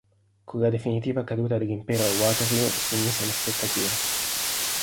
Con la definitiva caduta dell'Impero a Waterloo si mise in aspettativa.